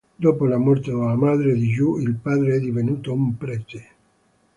Dopo la morte della madre di Yu, il padre è divenuto un prete.